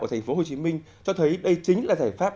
ở thành phố hồ chí minh cho thấy đây chính là giải pháp